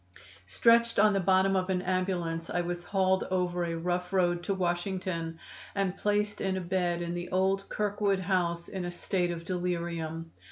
Stretched on the bottom of an ambulance I was hauled over a rough road to Washington and placed in a bed in the old Kirkwood House in a state of delirium.